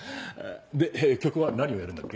で曲は何をやるんだっけ？